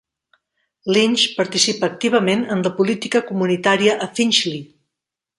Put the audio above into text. Lynch participa activament en la política comunitària a Finchley.